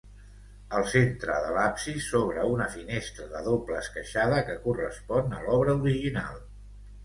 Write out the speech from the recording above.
Al centre de l'absis s'obre una finestra de doble esqueixada que correspon a l'obra original.